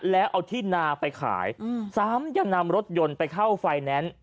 แล้วเอาที่นาไปขายซ้ำยังนำรถยนต์ไปเข้าไฟแนนซ์